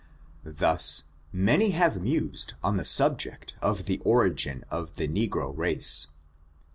Thus many have mused on the subject of the origin of the negro race.